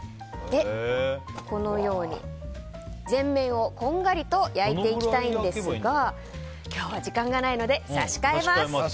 このように、全面をこんがりと焼いていきたいんですが今日は時間がないので差し替えます。